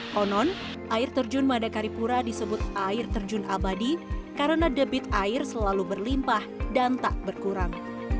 konon air terjun madakaripura disebut air terjun abadi karena debit air selalu berlimpah dan tak berkurang